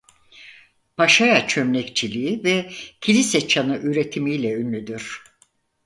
Raşaya çömlekçiliği ve kilise çanı üretimiyle ünlüdür.